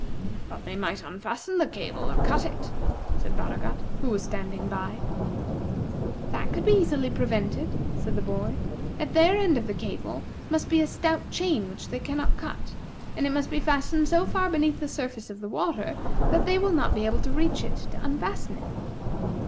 "But they might unfasten the cable, or cut it," said Baragat, who was standing by. "That could easily be prevented," said the boy. "At their end of the cable must be a stout chain which they cannot cut, and it must be fastened so far beneath the surface of the water that they will not be able to reach it to unfasten it."